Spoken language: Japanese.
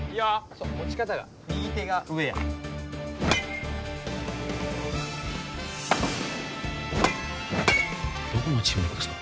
そう持ち方が右手が上やどこのチームの子ですか？